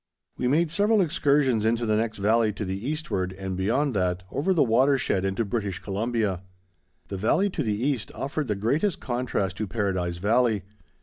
We made several excursions into the next valley to the eastward, and beyond that, over the water shed into British Columbia. The valley to the east offered the greatest contrast to Paradise Valley.